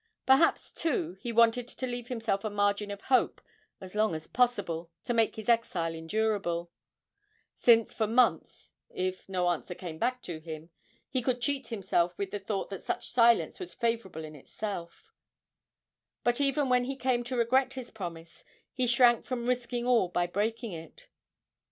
Perhaps, too, he wanted to leave himself a margin of hope as long as possible to make his exile endurable; since for months, if no answer came back to him, he could cheat himself with the thought that such silence was favourable in itself; but even when he came to regret his promise, he shrank from risking all by breaking it.